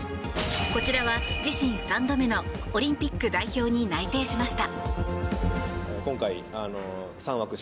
こちらは自身３度目のオリンピック代表に内定しました。